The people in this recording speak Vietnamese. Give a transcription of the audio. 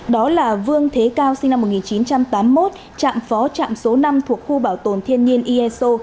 đó là vương thế cao sinh năm một nghìn chín trăm tám mươi một trạm phó trạm số năm thuộc khu bảo tồn thiên nhiên iezo